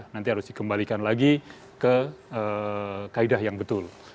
nanti harus dikembalikan lagi ke kaedah yang betul